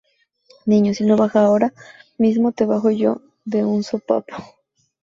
Niño, si no bajas ahora mismo te bajo yo de un sopapo.